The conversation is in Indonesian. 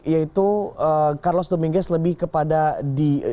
yaitu carlos dominguez lebih kepada politik